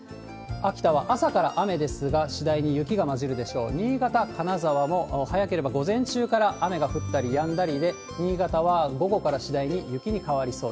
秋田は朝から雨ですが、次第に雪がまじるでしょう。